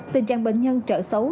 tình trạng bệnh nhân trở xấu